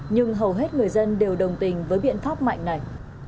nhưng hầu hết người dân đều đồng tình với biện pháp mạnh này